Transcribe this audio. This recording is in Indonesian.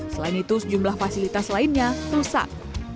selain itu sejumlah fasilitas lainnya rusak